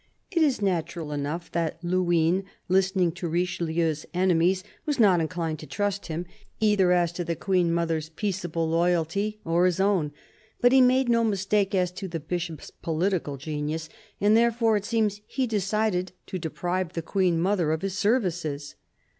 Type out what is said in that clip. It is natural enough that Luynes, listening to Richelieu's enemies, was not inclined to trust him, either as to the I02 CARDINAL DE RICHEUEU Queen mother's peaceable loyalty or his own. But he made no mistake as to the Bishop's political genius; and therefore, it seems, he decided to deprive the Queen mother of his services.